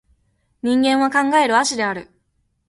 人間は考える葦である